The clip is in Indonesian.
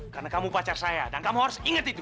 karena kamu pacar saya dan kamu harus inget itu